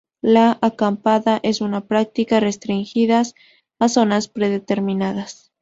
La acampada es una práctica restringidas a zonas predeterminadas.